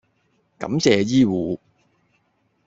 感謝醫護